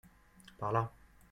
Par là.